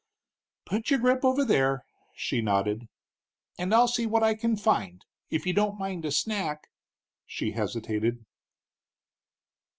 "Put your grip over there," she nodded, "and I'll see what I can find. If you don't mind a snack " she hesitated.